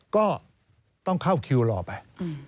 ก็ต้องเข้าคิวรอไป